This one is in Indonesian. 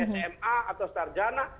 sma atau starjana